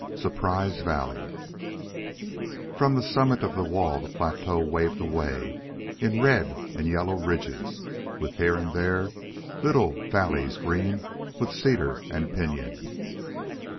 SURPRISE VALLEY From the summit of the wall the plateau waved away in red and yellow ridges, with here and there little valleys green with cedar and pinyon.